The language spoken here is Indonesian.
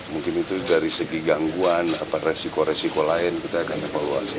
mungkin itu dari segi gangguan resiko resiko lain kita akan evaluasi